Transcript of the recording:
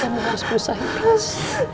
mama harus berusaha nus